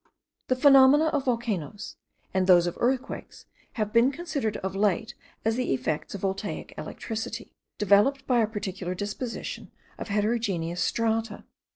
The phenomena of volcanoes, and those of earthquakes, have been considered of late as the effects of voltaic electricity, developed by a particular disposition of heterogeneous strata.